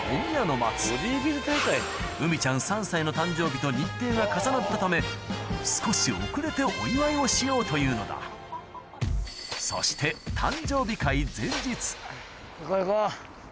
松うみちゃん３歳の誕生日と日程が重なったため少し遅れてお祝いをしようというのだそして行こう行こう。